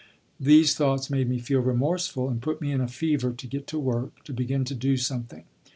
These thoughts made me feel remorseful and put me in a fever to get to work, to begin to do something.